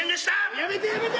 やめてやめて！